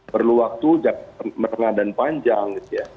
perlu waktu yang meternah dan panjang